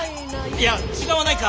いや違わないか。